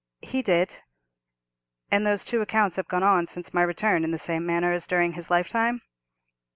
"He did." "And those two accounts have gone on since my return in the same manner as during his lifetime?"